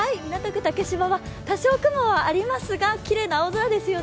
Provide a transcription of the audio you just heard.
竹芝は多少雲はありますが、きれいな青空ですよね。